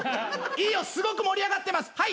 いいよすごく盛り上がってます。